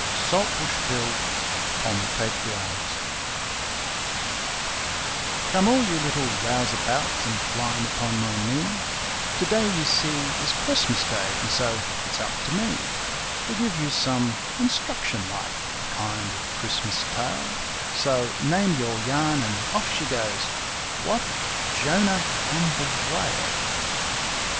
Saltbush Bill on the Patriarchs Come all you little rouseabouts and climb upon my knee; To day, you see, is Christmas Day, and so it's up to me To give you some instruction like a kind of Christmas tale So name your yarn, and off she goes. What, ŌĆ£Jonah and the WhaleŌĆØ?